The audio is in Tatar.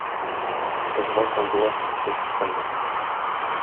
Кызга "сандугач" дип исем кушканнар.